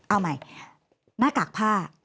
เอาใหม่หน้ากากผ้า